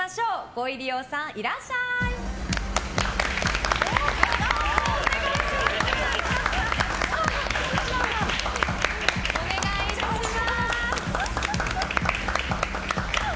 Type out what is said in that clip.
ご入り用さん、いらっしゃい！お願いします。